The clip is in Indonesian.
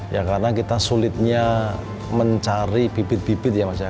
ya karena kita sulitnya mencari bibit bibit ya mas ya